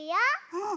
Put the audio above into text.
うん。